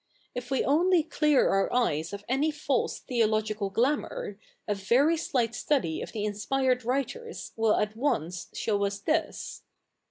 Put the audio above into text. If we only clear our eyes of any false theological glamour, a very slight study of the i?ispired writers will at once show us this.